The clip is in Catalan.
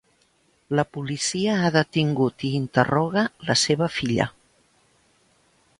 La policia ha detingut i interroga la seva filla.